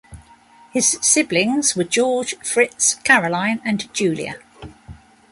His siblings were George, Fritz, Caroline and Julia.